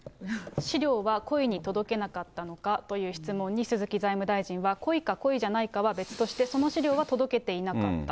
資料は故意に届けなかったのかという質問に、鈴木財務大臣は故意か故意じゃないかは別として、その資料は届けていなかった。